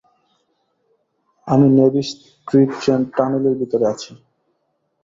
আমি navy street টানেলের ভেতরে আছি।